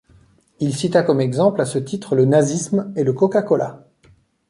Il cita comme exemple à ce titre le nazisme et le Coca Cola.